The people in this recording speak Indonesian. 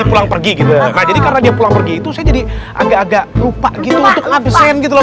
pulang pergi gitu jadi karena dia pulang pergi itu jadi agak agak lupa gitu ngapain gitu lho